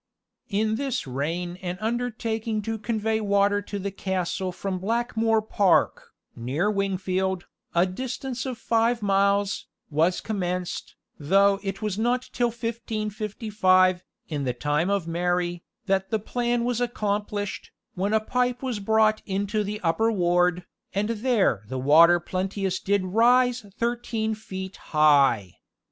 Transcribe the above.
In this reign an undertaking to convey water to the castle from Blackmore Park, near Wingfield, a distance of five miles, was commenced, though it was not till 1555, in the time of Mary, that the plan was accomplished, when a pipe was brought into the upper ward, "and there the water plenteously did rise thirteen feet high."